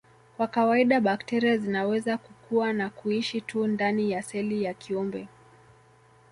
Kwa kawaida bakteria zinaweza kukua na kuishi tu ndani ya seli ya kiumbe